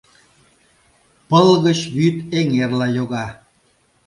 Пыл гыч вӱд эҥерла йога.